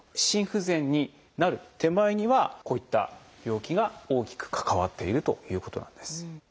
心不全になる手前にはこういった病気が大きく関わっているということなんです。